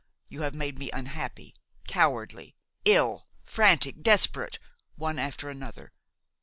You have made me unhappy, cowardly, ill, frantic, desperate, one after another.